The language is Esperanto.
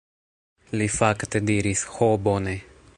Li fakte diris: "Ho, bone."